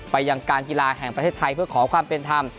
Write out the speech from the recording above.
ยังการกีฬาแห่งประเทศไทยเพื่อขอความเป็นธรรม